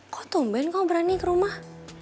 kok tumben kamu berani ke rumah